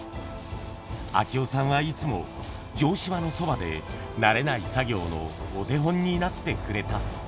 明雄さんはいつも、城島のそばで、慣れない作業のお手本になってくれた。